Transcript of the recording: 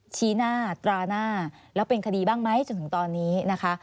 ชี้หน้าตราหน้าแล้วเป็นคดีบ้างไหมจนถึงตอนนี้นะคะ